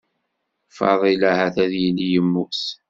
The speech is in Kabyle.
Faḍil ahat ad yili yemmut.